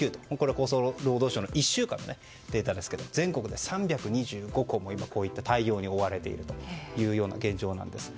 厚生労働省の１週間のデータですが全国で３２５校も今こういった対応に追われているというような現状です。